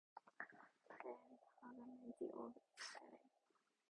Brent Hagerman of Exclaim!